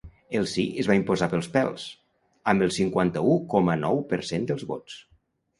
El sí es va imposar pels pèls, amb el cinquanta-u coma nou per cent dels vots.